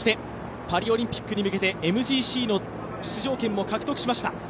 パリオリンピックに向けてＭＧＣの出場権も獲得しました。